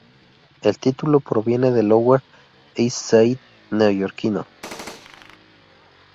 El título proviene del Lower East Side neoyorquino.